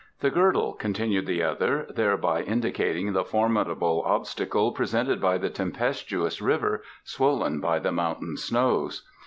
"The Girdle," continued the other, thereby indicating the formidable obstacle presented by the tempestuous river, swollen by the mountain snows.